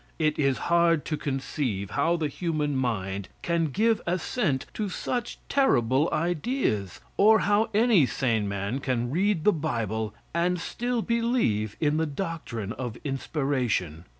It is hard to conceive how the human mind can give assent to such terrible ideas, or how any sane man can read the bible and still believe in the doctrine of inspiration.